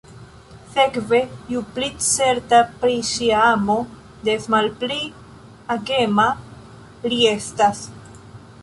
Sekve, ju pli certa pri ŝia amo, des malpli agema li estas.